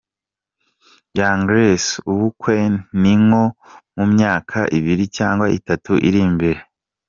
Young Grace: Ubukwe ni nko mu myaka ibiri cyangwa itatu iri imbere.